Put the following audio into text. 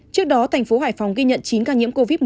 trước đó tp hcm ghi nhận chín ca nhiễm covid một mươi chín